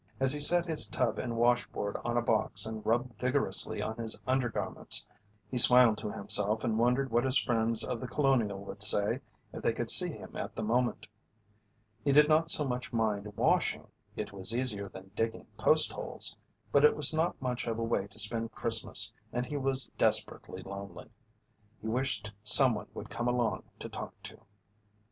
As he set his tub and washboard on a box and rubbed vigorously on his undergarments, he smiled to himself and wondered what his friends of The Colonial would say if they could see him at the moment. He did not so much mind washing, it was easier than digging post holes, but it was not much of a way to spend Christmas and he was desperately lonely. He wished someone would come along to talk to.